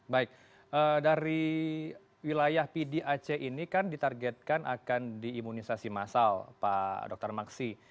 baik dari wilayah pdac ini kan ditargetkan akan di imunisasi masal pak dokter maksi